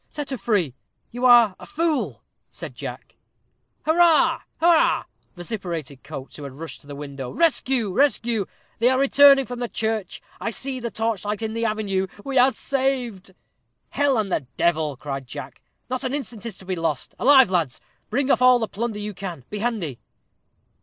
Set her free." "You are a fool," said Jack. "Hurrah, hurrah!" vociferated Coates, who had rushed to the window. "Rescue, rescue! they are returning from the church; I see the torchlight in the avenue; we are saved!" "Hell and the devil!" cried Jack; "not an instant is to be lost. Alive, lads; bring off all the plunder you can; be handy!"